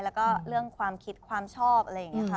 แล้วก็เรื่องความคิดความชอบอะไรอย่างนี้ค่ะ